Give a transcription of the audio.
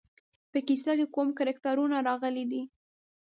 په کیسه کې کوم کرکټرونه راغلي دي.